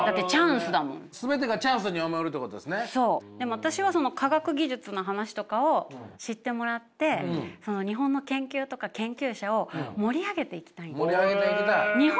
私はその科学技術の話とかを知ってもらって日本の研究とか研究者を盛り上げていきたいんです。